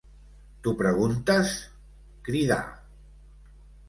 "T'ho preguntes?", cridà.